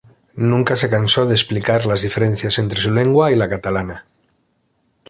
Nunca se cansó de explicar las diferencias entre su lengua y la catalana.